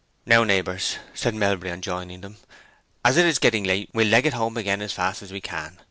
"Now, neighbors," said Melbury, on joining them, "as it is getting late, we'll leg it home again as fast as we can.